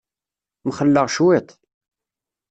Mxelleɣ cwiṭ.